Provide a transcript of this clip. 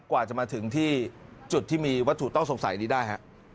กว่าจะมาถึงที่จุดที่มีวัตถุต้องสงสัยนี้ได้ฮะ